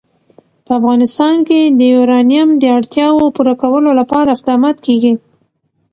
په افغانستان کې د یورانیم د اړتیاوو پوره کولو لپاره اقدامات کېږي.